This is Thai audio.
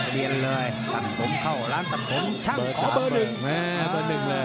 เรียนเลยตัดผมเข้าร้านตัดผมช่างขอเบอร์หนึ่ง